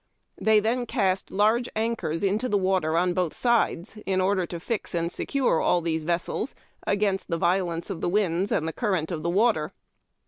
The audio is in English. They then cast large anchors' into the water on both sides, in order to fix and secure all these A^essels against the violence of the winds and the cur rent of the water.